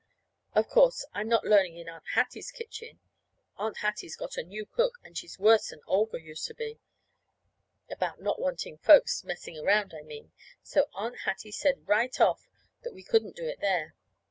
Of course, I'm not learning in Aunt Hattie's kitchen. Aunt Hattie's got a new cook, and she's worse than Olga used to be about not wanting folks messing around, I mean. So Aunt Hattie said right off that we couldn't do it there.